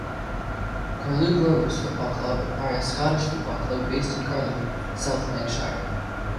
Carluke Rovers Football Club are a Scottish football club based in Carluke, South Lanarkshire.